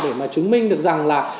để mà chứng minh được rằng là